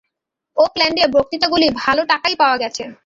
ওকল্যাণ্ডে বক্তৃতাগুলি ভাল টাকাই পাওয়া গেছে।